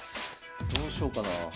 どうしようかな。